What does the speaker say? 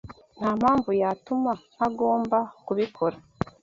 Nta mpamvu yatuma ntagomba kubikora.